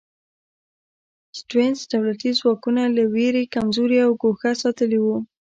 سټیونز دولتي ځواکونه له وېرې کمزوري او ګوښه ساتلي وو.